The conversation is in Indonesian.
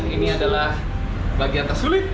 ini adalah bagian atas